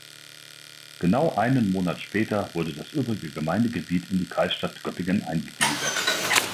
Genau einen Monat später wurde das übrige Gemeindegebiet in die Kreisstadt Göppingen eingegliedert.